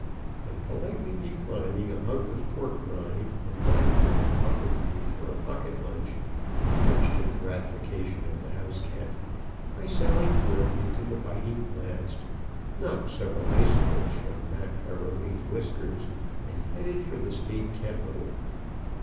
And politely declining a hunk of pork rind and black bread offered me for a pocket lunch, much to the gratification of the house cat, I sallied forth into the biting blast, knocked several icicles from Mac A'Rony's whiskers, and headed for the state capital.